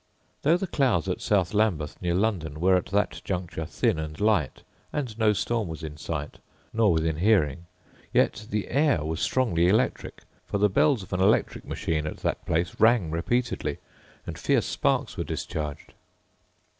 Though the clouds at South Lambeth, near London, were at that juncture thin and light, and no storm was in sight, nor within hearing, yet the air was strongly electric; for the bells of an electric machine at that place rang repeatedly, and fierce sparks were discharged.